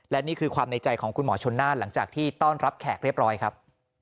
และนี่คือความในใจของคุณหมอชนน่านหลังจากที่ต้อนรับแขกเรียบร้อยครับ